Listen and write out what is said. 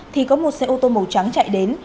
thì có một xe ô tô màu trắng chạy đến